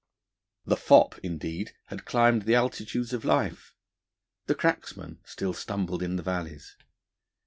The fop, indeed, had climbed the altitudes of life; the cracksman still stumbled in the valleys.